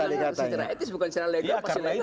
saya bilang secara ethics bukan secara legal